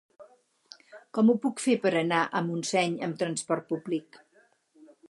Com ho puc fer per anar a Montseny amb trasport públic?